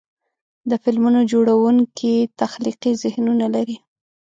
د فلمونو جوړونکي تخلیقي ذهنونه لري.